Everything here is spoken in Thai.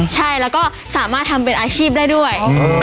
ใช่แล้วก็สามารถทำเป็นอาชีพได้ด้วย